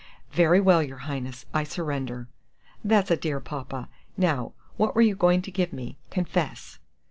"Very well, your Highness, I surrender." "That's a dear Papa! Now, what were you going to give me? Confess!"